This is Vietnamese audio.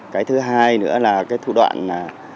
cái thứ hai nữa là thủ đoạn